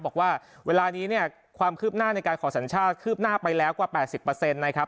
บอกว่าเวลานี้เนี่ยความคืบหน้าในการขอสัญชาติคืบหน้าไปแล้วกว่า๘๐นะครับ